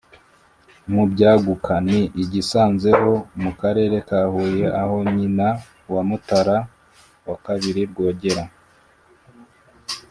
mu byaguka: ni i gisanze ho mu karere ka huye aho nyina wa mutara ii rwogera